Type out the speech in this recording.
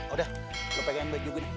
udah lo pegang baju gini